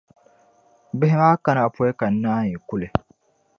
Bihi maa kana pↄi ka n-naanyi kuli